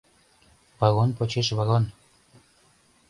Вагон почеш вагон